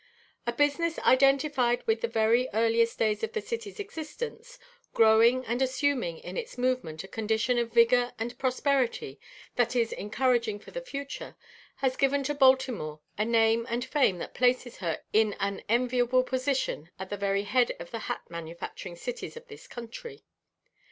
A business identified with the very earliest days of the city's existence, growing and assuming in its movement a condition of vigor and prosperity that is encouraging for the future, has given to Baltimore a name and fame that places her in an enviable position at the very head of the hat manufacturing cities of this country.